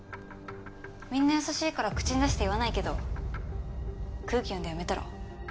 みんな優しいから口に出して言わないけど空気読んで辞めたら？